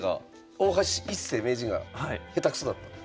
大橋一世名人がへたくそだった？